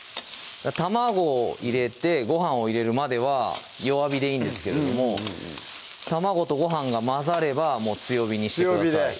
卵を入れてご飯を入れるまでは弱火でいいんですけれども卵とご飯が混ざればもう強火にしてください